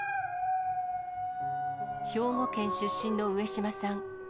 兵庫県出身の上島さん。